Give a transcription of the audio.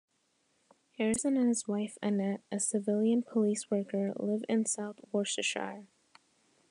Harrison and his wife Annette, a civilian police worker, live in south Worcestershire.